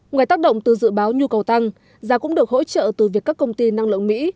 ngoài tác động từ dự báo nhu cầu tăng giá cũng được hỗ trợ từ việc các công ty năng lượng mỹ